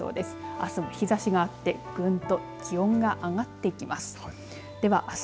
あすも日ざしがあってぐんと気温が上がっていきます。